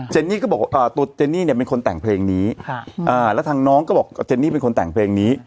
นี่ก็บอกตัวเจนนี่เนี่ยเป็นคนแต่งเพลงนี้แล้วทางน้องก็บอกเจนนี่เป็นคนแต่งเพลงนี้